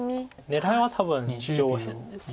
狙いは多分上辺です。